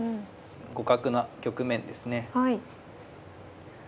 互角な局面ですね。